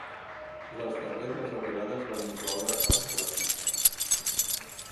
Les darreres arribades van incloure els Lapita.